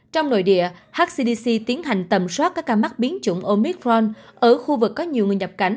trong nội địa hcdc tiến hành tầm soát các ca mắc biến chủng omitron ở khu vực có nhiều người nhập cảnh